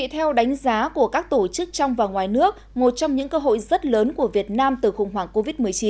theo đánh giá của các tổ chức trong và ngoài nước một trong những cơ hội rất lớn của việt nam từ khủng hoảng covid một mươi chín